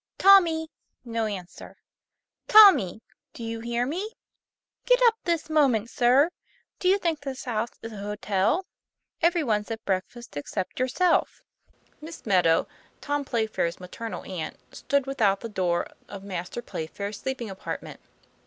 "'"TOMMY!' 1 No answer. ' Tommy do you hear me ? Get up this moment, sir. Do you think this house is a hotel ? Every one's at breakfast except yourself." Miss Meadow, Tom Playfair's maternal aunt, stood without the door of Master Playfair's sleeping apartment.